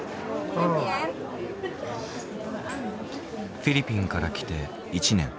フィリピンから来て１年。